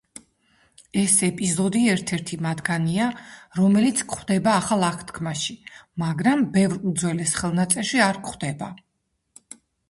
ეს ეპიზოდი ერთ-ერთი მათგანია, რომელიც გვხვდება ახალ აღთქმაში მაგრამ ბევრ უძველეს ხელნაწერში არ გვხვდება.